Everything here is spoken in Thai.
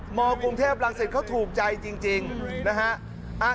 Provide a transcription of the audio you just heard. มกรุงเทพรังสิตเขาถูกใจจริงนะฮะ